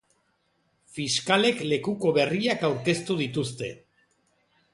Fiskalek lekuko berriak aurkeztu dituzte.